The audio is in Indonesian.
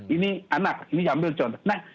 ini anak ini ambil contoh